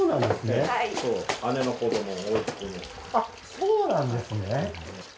そうなんですね。